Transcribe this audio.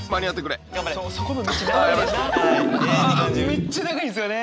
めっちゃ長いんですよね！